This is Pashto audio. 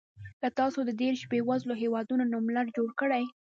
که تاسو د دېرش بېوزلو هېوادونو نوملړ جوړ کړئ.